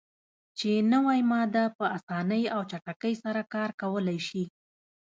چې نوی ماده "په اسانۍ او چټکۍ سره کار کولای شي.